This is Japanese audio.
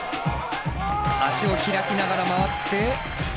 足を開きながら回って。